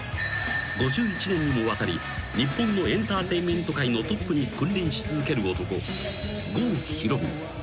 ［５１年にもわたり日本のエンターテインメント界のトップに君臨し続ける男］